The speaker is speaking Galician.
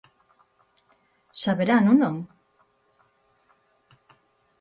¡Saberano, ¿non?!